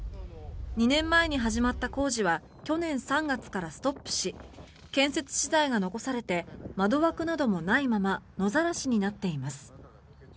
２年前に始まった工事は去年３月からストップし建設資材が残されて窓枠などもないまま野ざらしになっています。